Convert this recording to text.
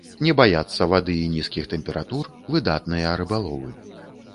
Не баяцца вады і нізкіх тэмператур, выдатныя рыбаловы.